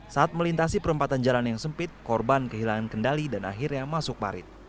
saat melintasi perempatan jalan yang sempit korban kehilangan kendali dan akhirnya masuk parit